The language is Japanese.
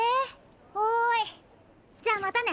ふおいじゃまたね。